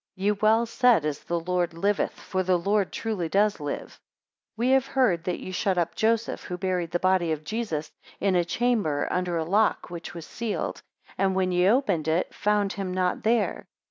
Ye well said, As the Lord liveth, for the Lord truly does live. 11 We have heard that ye shut up Joseph, who buried the body of Jesus, in a chamber, under a lock which was sealed; and when ye opened it, found him not there.